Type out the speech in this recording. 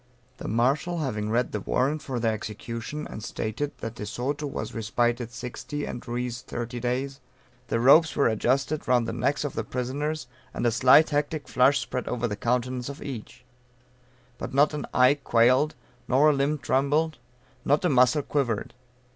The Marshal having read the warrant for their execution, and stated that de Soto was respited sixty and Ruiz thirty days, the ropes were adjusted round the necks of the prisoners, and a slight hectic flush spread over the countenance of each; but not an eye quailed, nor a limb trembled, not a muscle quivered.